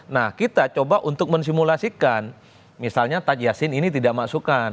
nah kita coba untuk mensimulasikan misalnya taj yassin ini tidak masukkan